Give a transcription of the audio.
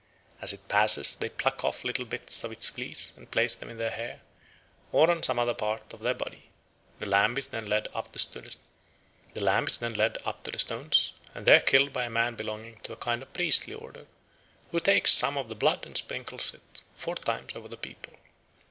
As it passes they pluck off little bits of its fleece and place them in their hair, or on to some other part of their body. The lamb is then led up to the stones, and there killed by a man belonging to a kind of priestly order, who takes some of the blood and sprinkles it four times over the people.